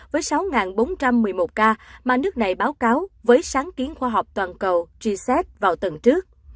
với sáu bốn trăm một mươi một ca mà nước này báo cáo với sáng kiến khoa học toàn cầu gsep vào tuần trước